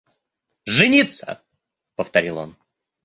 «Жениться! – повторил он.